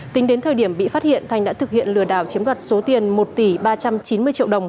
tính đến thời điểm bị phát hiện thành đã thực hiện lừa đảo chiếm đoạt số tiền một tỷ ba trăm chín mươi triệu đồng